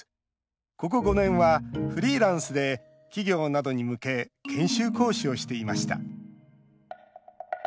ここ５年は、フリーランスで企業などに向け研修講師をしていました。